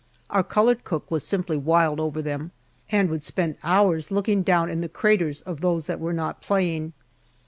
Our colored cook was simply wild over them, and would spend hours looking down in the craters of those that were not playing.